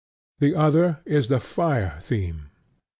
The other is the fire theme.